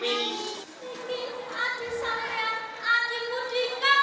di awal tahun ini makunan kamul pemanjangan yang nomor pilihan